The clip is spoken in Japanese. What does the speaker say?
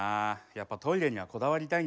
やっぱトイレにはこだわりたいんだよね。